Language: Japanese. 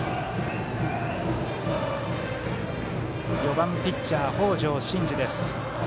４番、ピッチャー、北條慎治です。